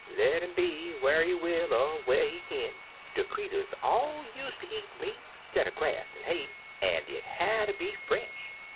"Le* 'im be whar he will er whar he kin, de creeturs all use ter eat meat stidder grass an' hay, an' it hatter be fresh.